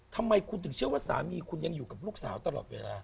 ทำไมคุณถึงเชื่อว่าสามีคุณยังอยู่กับลูกสาวตลอดเวลา